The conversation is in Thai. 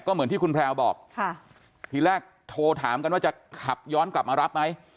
เหมือนที่คุณแพลวบอกค่ะทีแรกโทรถามกันว่าจะขับย้อนกลับมารับไหม